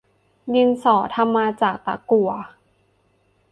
ดินสอทำมาจากตะกั่ว